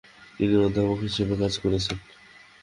তিনি অধ্যাপক হিসাবে কাজ করেছেন।